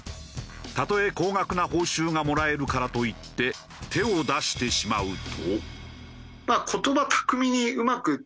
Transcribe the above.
たとえ高額な報酬がもらえるからといって手を出してしまうと。